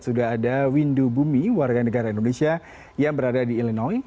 sudah ada windu bumi warga negara indonesia yang berada di illinois